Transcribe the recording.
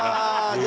ああ！